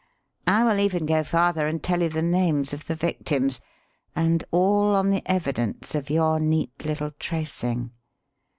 I will even go farther and tell you the names of the victims; and all on the evidence of your neat little tracing.